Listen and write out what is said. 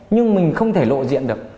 nhưng mình không thể lộ diện được